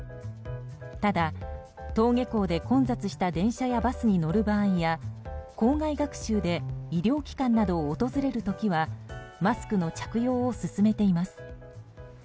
ただ、登下校で混雑した電車やバスに乗る場合や校外学習で医療機関などを訪れる時はマスクの着用を勧めています。